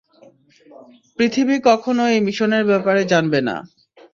পৃথিবী কখনও এই মিশনের ব্যাপারে জানবে না।